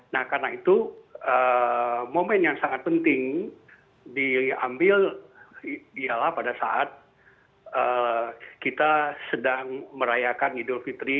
nah karena itu momen yang sangat penting diambil ialah pada saat kita sedang merayakan idul fitri